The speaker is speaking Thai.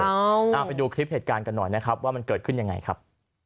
เอาไปดูคลิปเหตุการณ์กันหน่อยนะครับว่ามันเกิดขึ้นยังไงครับ